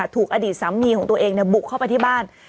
ถูกอดีตสามีของตัวเองบุกเข้าไปที่บ้าน